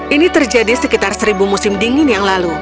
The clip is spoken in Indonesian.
ini terjadi sekitar seribu musim dingin yang lalu